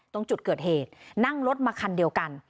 ตรงจุดเกิดเหตุนั่งรถมาคันเดียวกัน